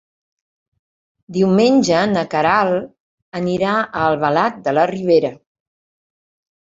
Diumenge na Queralt anirà a Albalat de la Ribera.